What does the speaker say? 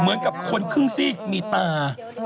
เหมือนกับคนครึ่งซีกมีตา